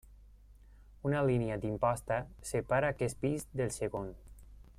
Una línia d'imposta separa aquest pis del segon.